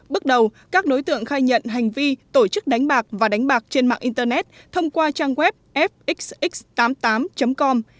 bước đầu các đối tượng khai nhận hành vi tổ chức đánh bạc và đánh bạc trên mạng internet thông qua trang web fxx tám mươi tám com